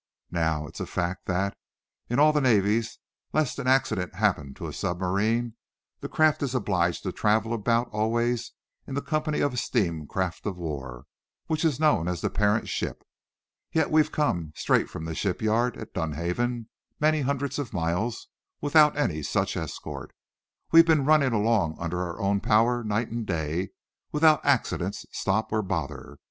Now, it's a fact that, in all the navies, lest an accident happen to a submarine, that craft is obliged to travel about, always, in the company of a steam craft of war, which is known as the parent ship. Yet we've come, straight from the shipyard at Dunhaven, many hundreds of miles, without any such escort. We've been running along under our own power, night and day, without accident, stop or bother.